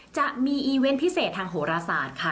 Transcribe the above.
จะมีอีเวนต์พิเศษทางโหรศาสตร์ค่ะ